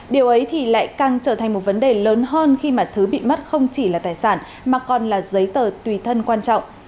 điều ấy thì lại càng trở thành một vấn đề lớn hơn khi mà thứ bị mất không chỉ là tài sản mà còn là giấy tờ tùy thân quan trọng